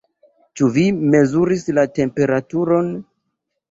Ĉu vi mezuris la temperaturon?